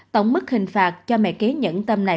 tổng mức hình phạt cho mẹ ký nhẫn tâm này